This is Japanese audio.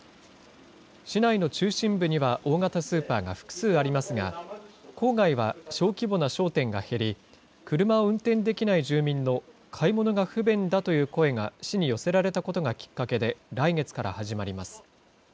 市内の中心部には大型スーパーが複数ありますが、郊外は小規模な商店が減り、車を運転できない住民の買い物が不便だという声が市に寄せられたことがきっかけで、来月から始まります。